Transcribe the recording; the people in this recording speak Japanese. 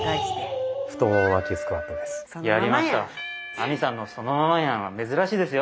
これは亜美さんの「そのままやん」は珍しいですよ。